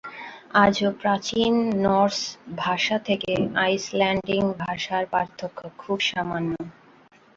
আজও প্রাচীন নর্স ভাষা থেকে আইসল্যান্ডীয় ভাষার পার্থক্য খুব সামান্য।